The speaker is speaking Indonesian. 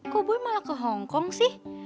kok boy malah ke hongkong sih